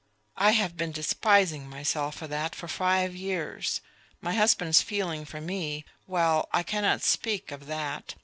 I have been despising myself for that for five years. My husband's feeling for me ... well, I cannot speak of that